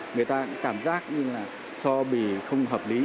người ta cảm giác như là so bì không hợp lý